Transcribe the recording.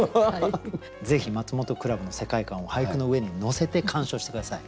ぜひマツモトクラブの世界観を俳句の上に乗せて鑑賞して下さい。